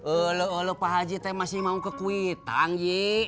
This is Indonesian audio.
ulu ulu pak haji teh masih mau ke kuitang ji